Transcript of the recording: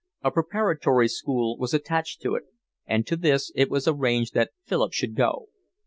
A preparatory school was attached to it, and to this it was arranged that Philip should go.